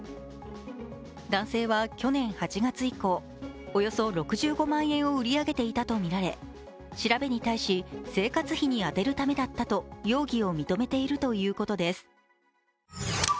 男性は去年８月以降、およそ６５万円を売り上げていたとみられ調べに対し、生活費に充てるためだったと容疑を認めているということです。